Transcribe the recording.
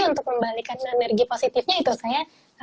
untuk membalikan energi positifnya itu saya